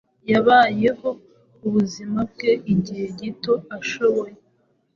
Yabayeho ubuzima bwe igihe gito ashoboye